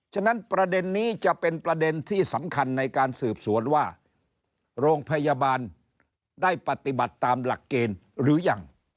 ฉะนั้นประเด็นนี้จะเป็นประเด็นที่สำคัญในการสืบสวนว่าโรงพยาบาลได้ปฏิบัติตามหลักเกณฑ์หรือยัง